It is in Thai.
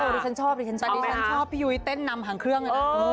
ดิฉันชอบพี่ยูยเต้นนำหางเครื่อง